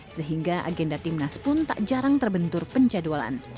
sehingga agenda timnas pun tak jarang terbentur penjadwalan